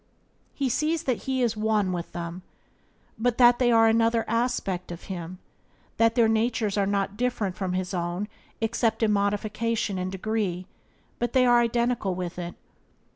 He sees that he is one with them, that they are but another aspect of himself, that their natures are not different from his own, except in modification and degree, but are identical with it.